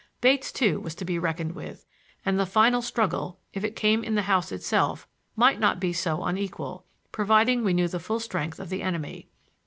Bates, too, was to be reckoned with, and the final struggle, if it came in the house itself, might not be so unequal, providing we knew the full strength of the enemy.